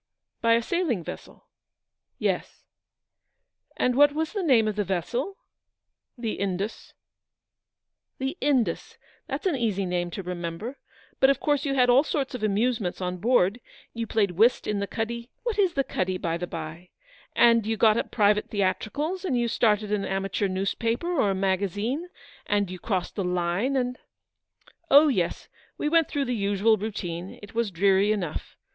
" By a sailing vessel ?"" Yes/' " And what was the name of the vessel ?" "The Indus/' " The Indus, that's an easy name to remember. But of course you had all sorts of amusements on board ; you played whist in the cuddy — what is the cuddy, by the bye ?— and you got up private theatricals, and you started an amateur news paper, or a magazine, and you crossed the line, and—" " Oh, yes, we went through the usual routine. It was dreary enough.